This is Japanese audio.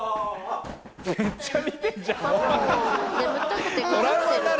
めっちゃ見てんじゃん。